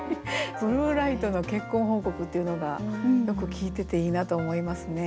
「ブルーライトの結婚報告」っていうのがよく効いてていいなと思いますね。